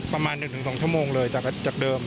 ประมาณ๑๒ชั่วโมงเลยจากเดิม